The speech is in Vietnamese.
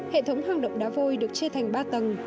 hệ thống hang động đá vôi được chia thành ba tầng